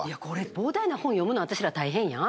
膨大な本読むの私ら大変やん。